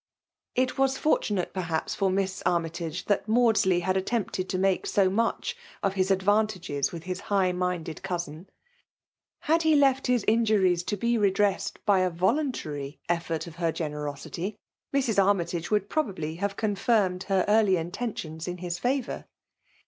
*' It was fortunate, perhaps, for Miss A^n]^ tage that Maudsley had attempted to make so much of his advantages with his high minded cousin; — ^had he leil his injuries to be re dressed by a voluntary effort of her generosity, Mrs. Armytage would probably have co|[i; iirmed her early intentions in his favour.